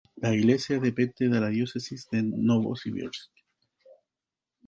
La iglesia depende de la diócesis de Novosibirsk.